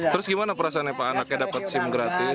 terus gimana perasaannya pak anaknya dapat sim gratis